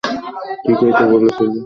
ঠিকই তো বলেছি।